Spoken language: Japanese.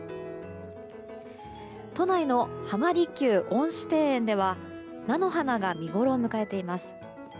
都内の浜離宮恩賜庭園では菜の花が見ごろを迎えています。